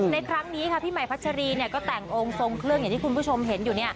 ในครั้งนี้ค่ะพี่ใหม่พัชรีก็แต่งองค์ทรงเครื่องอย่างที่คุณผู้ชมเห็นอยู่